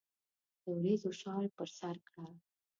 دوریځو شال پر سرکړه